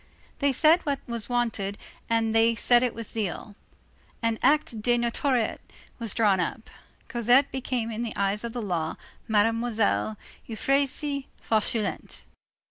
They said what was wanted and they said it with zeal. An acte de notoriété was drawn up. Cosette became in the eyes of the law, Mademoiselle Euphrasie Fauchelevent.